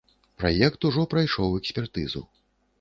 Праект ужо прайшоў экспертызу.